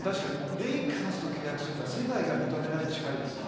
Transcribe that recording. レイカーズと契約するのは世界が認めたに近いです。